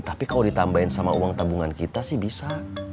tapi kalau ditambahin sama uang tabungan kita sih bisa